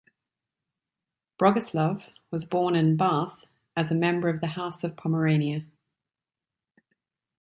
Bogislaw was born in Barth as a member of the House of Pomerania.